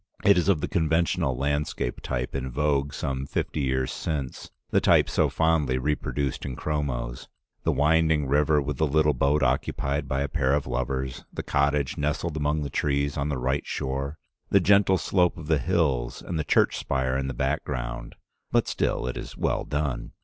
It is of the conventional landscape type in vogue some fifty years since, the type so fondly reproduced in chromos — the winding river with the little boat occupied by a pair of lovers, the cottage nestled among trees on the right shore, the gentle slope of the hills and the church spire in the background — but still it is well done.